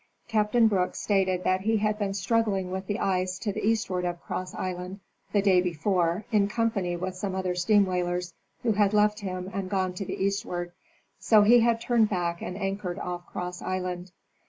Captain Brooks stated that he had been struggling with the ice to the eastward of Cross island, the day before, in company with some other steam whalers who had left him and gone to the east ward, so he had turned back and anchored off Cross island.